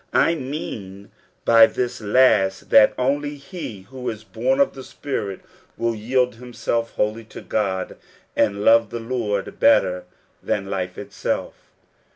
I mean by this last, that only he who is born of the Spirit will yield himself wholly to God, and love the Lord better than life itself.